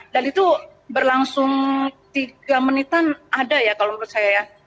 dan itu berlangsung tiga menitan ada ya kalau menurut saya